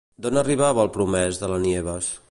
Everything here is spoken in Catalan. D'on arribava el promès de la Nieves?